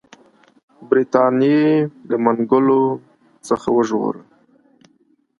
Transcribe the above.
برټانیې له منګولو څخه وژغوري.